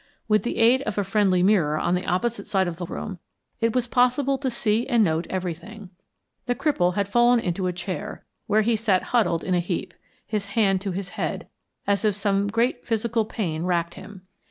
With the aid of a friendly mirror on the opposite side of the room, it was possible to see and note everything. The cripple had fallen into a chair, where he sat huddled in a heap, his hand to his head, as if some great physical pain racked him.